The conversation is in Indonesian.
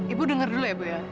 ibu denger dulu ya bu